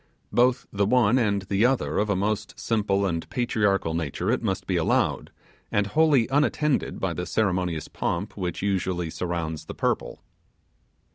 Both the one and the other of a most simple and patriarchal nature: it must be allowed, and wholly unattended by the ceremonious pomp which usually surrounds the purple.